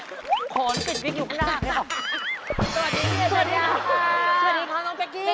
สวัสดีค่ะสวัสดีค่ะสวัสดีครับน้องเป๊กกี้